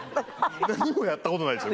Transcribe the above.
何もやったことないですよ。